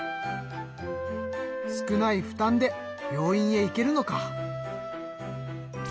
少ない負担で病院へ行けるのか！